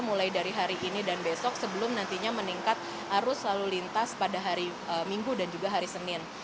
mulai dari hari ini dan besok sebelum nantinya meningkat arus lalu lintas pada hari minggu dan juga hari senin